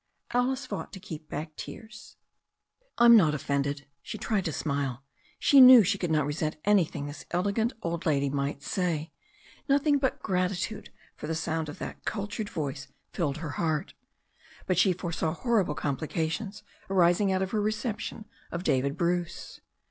Alice fought to keep back tears. "I'm not offended." She tried to smile. She knew she could not resent anything this elegant old lady might say. Nothing but gratitude for the sound of that cultured voice THE STORY OF A NEW ZEALAND RIVER 37 filled her heart. But she foresaw horrible complications arising out of her reception of David Bruce.